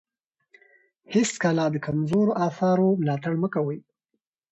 هېڅکله د کمزورو اثارو ملاتړ مه کوئ.